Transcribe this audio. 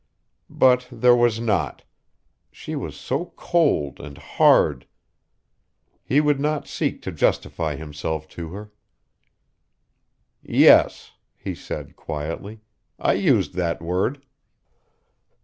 But there was not. She was so cold and hard.... He would not seek to justify himself to her.... "Yes," he said quietly. "I used that word."